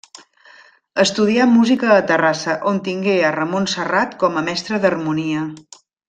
Estudià música a Terrassa, on tingué a Ramon Serrat com a mestre d'harmonia.